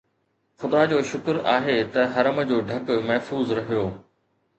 خدا جو شڪر آهي ته حرم جو ڍڪ محفوظ رهيو